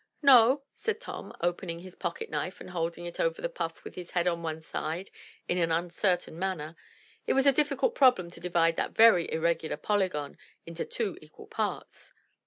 "No," said Tom, opening his pocket knife and holding it over the puff with his head on one side in an uncertain manner. (It was a difficult problem to divide that very irregular polygon into two equal parts.)